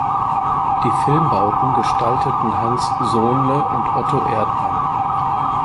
Die Filmbauten gestalteten Hans Sohnle und Otto Erdmann.